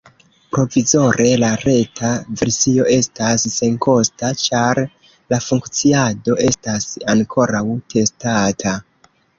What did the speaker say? Provizore la reta versio estas senkosta, ĉar la funkciado estas ankoraŭ testata.